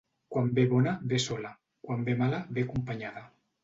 Quan ve bona, ve sola; quan ve mala, ve acompanyada.